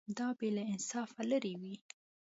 دا به له انصافه لرې وي.